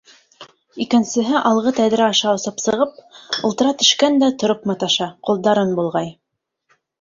Икенсеһе алғы тәҙрә аша осоп сығып, ултыра төшкән дә тороп маташа, ҡулдарын болғай.